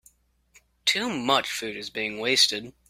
Too much food is being wasted.